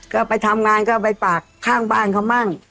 ก็ไปทำงานก็ไปปากข้างบ้านเขามั่ง